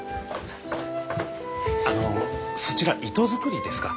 あのそちら糸作りですか？